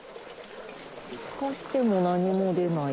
透かしても何も出ない。